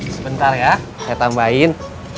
sebentar ya saya tambahin